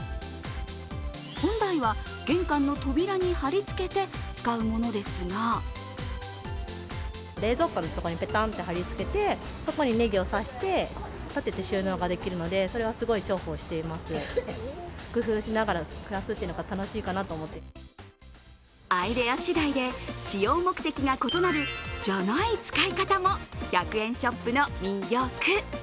本来は玄関の扉に貼りつけて使うものですがアイデア次第で使用目的が異なるじゃない使い方も１００円ショップの魅力。